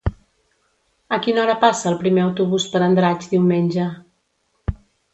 A quina hora passa el primer autobús per Andratx diumenge?